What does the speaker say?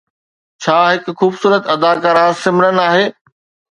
ڇا هڪ خوبصورت اداڪاره سمرن آهي